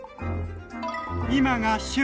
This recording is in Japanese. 今が旬！